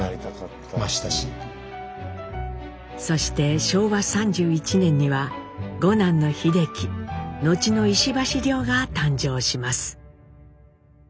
そして昭和３１年には五男の秀樹後の石橋凌が誕生します。